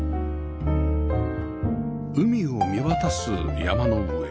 海を見渡す山の上